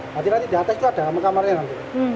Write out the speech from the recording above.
nanti di atas itu ada kamarnya nanti